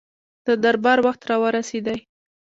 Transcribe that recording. د دربار وخت را ورسېدی.